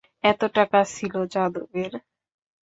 এত টাকা ছিল যাদবের?